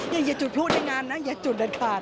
อย่าจุดพลุในงานนะอย่าจุดเด็ดขาด